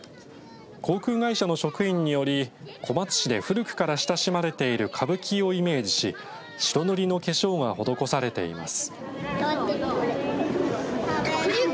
航空会社の職員により小松市で古くから親しまれている歌舞伎をイメージし白塗りの化粧が施されています。